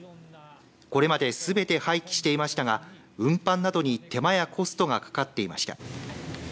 これまですべて廃棄していましたが運搬などに、手間やコストがかかっていました。